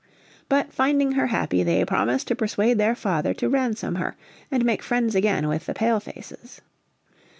But finding her happy they promised to persuade their father to ransom her, and make friends again with the Pale faces.